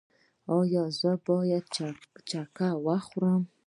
ایا زه باید چکه وخورم؟